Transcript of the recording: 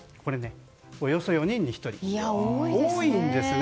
およそ４人に１人と多いんですね。